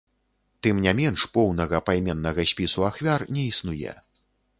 Тым не менш поўнага пайменнага спісу ахвяр не існуе.